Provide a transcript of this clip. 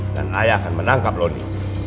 dan ayah akan menangkap loni